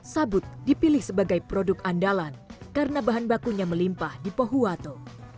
sabut dipilih sebagai produk andalan karena bahan bakunya melimpah di pohuwato